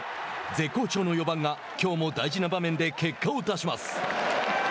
絶好調の４番がきょうも大事な場面で結果を出します。